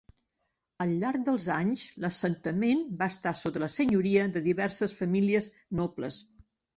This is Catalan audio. Al llarg dels anys, l'assentament va estar sota la senyoria de diverses famílies nobles.